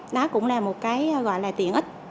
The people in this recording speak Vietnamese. đó cũng là một cái gọi là tiện ích